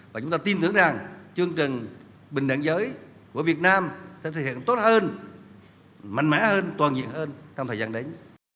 và chúng ta tin tưởng rằng chương trình bình đẳng giới của việt nam sẽ thực hiện tốt hơn mạnh mẽ hơn toàn diện hơn trong thời gian đến